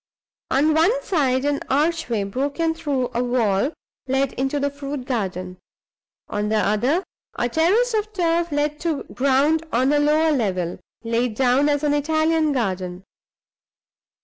On one side, an archway, broken through, a wall, led into the fruit garden. On the other, a terrace of turf led to ground on a lower level, laid out as an Italian garden.